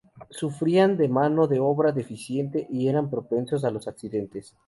Sufrían de mano de obra deficiente y eran propensos a los accidentes.